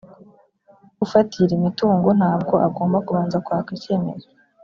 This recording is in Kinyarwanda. ufatira imitungo ntabwo agomba kubanza kwaka icyemezo